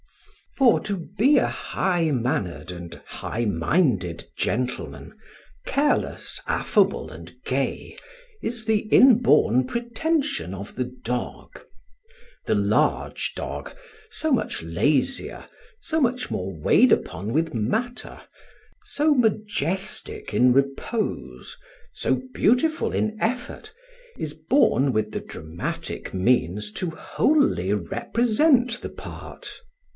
For to be a high mannered and high minded gentleman, careless, affable, and gay, is the inborn pretension of the dog. The large dog, so much lazier, so much more weighed upon with matter, so majestic in repose, so beautiful in effort, is born with the dramatic means to wholly represent the part.